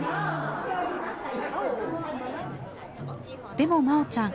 でもまおちゃん